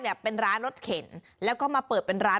ส่วนเมนูที่ว่าคืออะไรติดตามในช่วงตลอดกิน